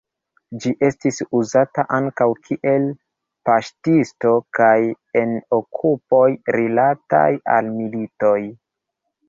Ĝi estis uzata ankaŭ kiel paŝtisto kaj en okupoj rilataj al militoj.